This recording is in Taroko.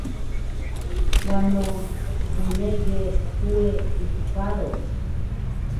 Wano bnege huwe Utux Baro